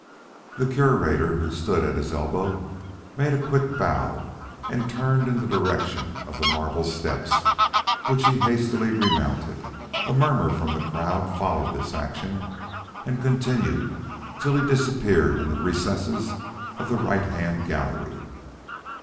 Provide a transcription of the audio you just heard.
The Curator, who stood at his elbow, made a quick bow and turned in the direction of the marble steps, which he hastily remounted. A murmur from the crowd followed this action and continued till he disappeared in the recesses of the right hand gallery.